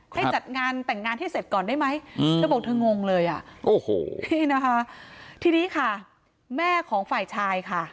ให้จัดงานแต่งงานให้เสร็จก่อนได้ไหมแล้วบอกว่าเธองงเลยทีนี้ค่ะแม่ของฝ่ายชายค่ะ